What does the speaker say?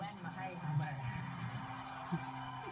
เอาแว่นมาให้ครับ